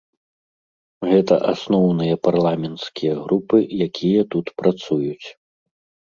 Гэта асноўныя парламенцкія групы, якія тут працуюць.